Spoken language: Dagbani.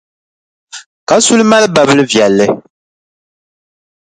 Kasuli mali babilʼ viɛlli.